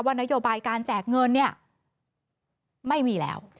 ว่านโยบายการแจกเงินไม่มีแล้ว